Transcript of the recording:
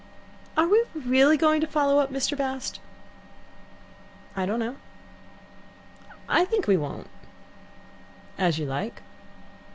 "Are we really going to follow up Mr. Bast?" "I don't know." "I think we won't." "As you like."